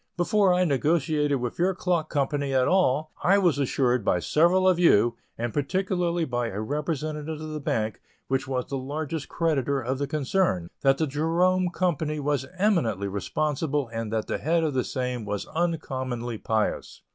Before I negotiated with your clock company at all, I was assured by several of you, and particularly by a representative of the bank which was the largest creditor of the concern, that the Jerome company was eminently responsible and that the head of the same was uncommonly pious.